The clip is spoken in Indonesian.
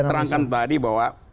jadi terangkan tadi bahwa